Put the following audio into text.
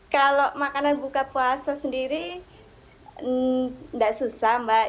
kalau makanan buka puasa sendiri tidak susah mbak